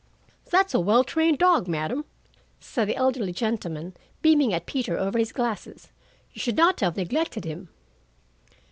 "That's a well trained dog, madam," said the elderly gentleman, beaming at Peter over his glasses. "You should not have neglected him."